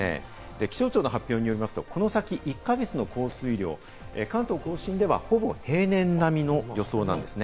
気象庁の発表によりますと、この先１か月の降水量は関東甲信ではほぼ平年並みの予想なんです。